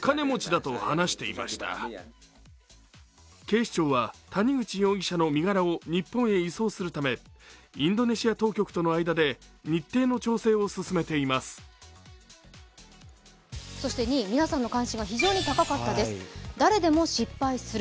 警視庁は谷口容疑者の身柄を日本へ移送するため、インドネシア当局との間で日程の調整を進めています。